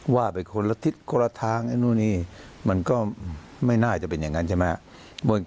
ว่าเป็นคนละทิศคนละทางมันก็ไม่น่าจะเป็นอย่างนั้นใช่ไหม